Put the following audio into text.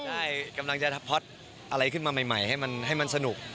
ใช่กำลังจะพ็อตอะไรขึ้นมาใหม่ให้มันสนุก